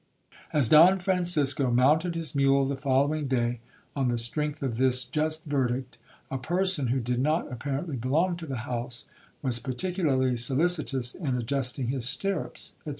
'As Don Francisco mounted his mule the following day, on the strength of this just verdict, a person, who did not apparently belong to the house, was particularly solicitous in adjusting his stirrups, &c.